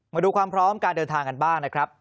มาดูความพร้อมการเดินทางกันบ้างนะครับ